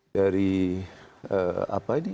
dari apa ini